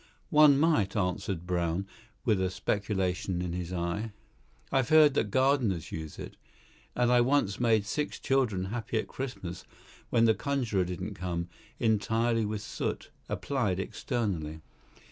"One might," answered Brown, with speculation in his eye. "I've heard that gardeners use it. And I once made six children happy at Christmas when the conjuror didn't come, entirely with soot applied externally."